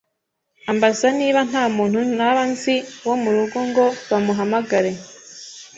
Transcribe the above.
ambaza niba nta muntu naba nzi wo mu rugo ngo bamuhamagare